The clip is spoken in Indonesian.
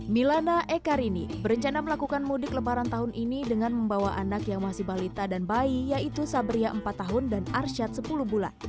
milana ekarini berencana melakukan mudik lebaran tahun ini dengan membawa anak yang masih balita dan bayi yaitu sabria empat tahun dan arsyad sepuluh bulan